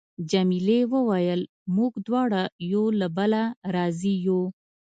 جميلې وويل: موږ دواړه یو له بله راضي یو.